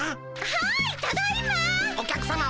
はいただいま！